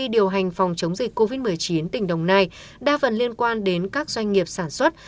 điều hành phòng chống dịch covid một mươi chín tỉnh đồng nai đa phần liên quan đến các doanh nghiệp sản xuất